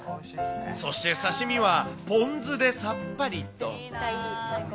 そして刺身はポン酢でさっぱりと。